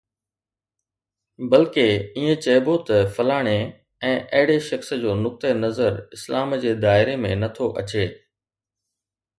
بلڪه ائين چئبو ته فلاڻي ۽ اهڙي شخص جو نقطه نظر اسلام جي دائري ۾ نٿو اچي